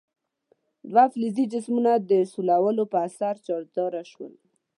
دوه فلزي جسمونه د سولولو په اثر چارجداره شول.